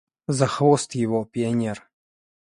За хвост его, – пионер!